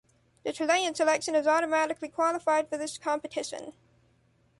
The Chilean selection is automatically qualified for this competition.